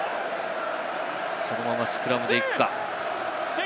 そのままスクラムでいくか？